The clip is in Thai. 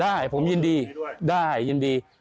ได้ผมยินดีได้ยินดี